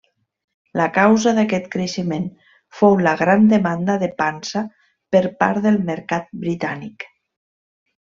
La causa d'aquest creixement fou la gran demanda de pansa per part del mercat britànic.